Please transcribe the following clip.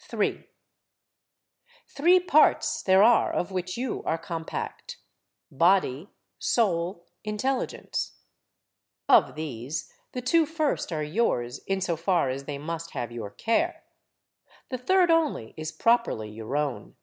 3. Three parts there are of which you are compact; body, soul, intelligence. Of these the two first are yours in so far as they must have your care; the third only is properly your own.